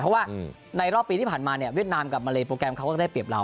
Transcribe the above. เพราะว่าในรอบปีที่ผ่านมาเนี่ยเวียดนามกับมาเลโปรแกรมเขาก็ได้เปรียบเรา